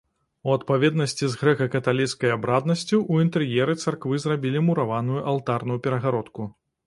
У адпаведнасці з грэка-каталіцкай абраднасцю ў інтэр'еры царквы зрабілі мураваную алтарную перагародку.